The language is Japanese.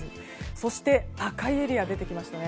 そして、赤いエリアが出てきましたね。